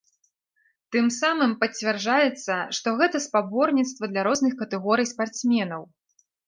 Тым самым пацвярджаецца, што гэта спаборніцтва для розных катэгорый спартсменаў.